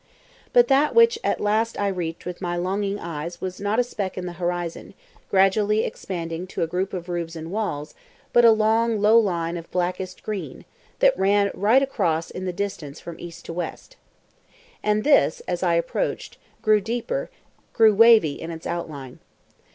But that which at last I reached with my longing eyes was not a speck in the horizon, gradually expanding to a group of roofs and walls, but a long, low line of blackest green, that ran right across in the distance from east to west. And this, as I approached, grew deeper, grew wavy in its outline.